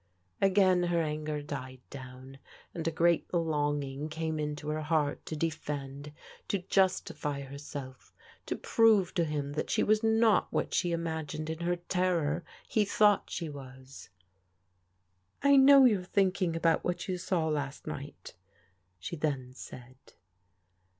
Again her anger died down, and a great longing came into her heart to defend, to justify herself, to prove to him that she was not what she imagined in her terror he thought she was. " I know you're thinking about what you saw last night," she then said.